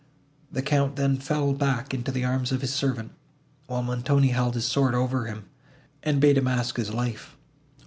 The Count then fell back into the arms of his servant, while Montoni held his sword over him, and bade him ask his life.